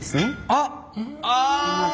あっああ！